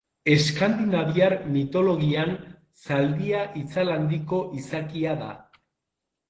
Eskandinaviar mitologian zaldia itzal handiko izakia da.